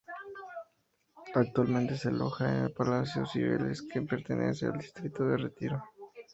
Actualmente se aloja en el Palacio de Cibeles, que pertenece al distrito de Retiro.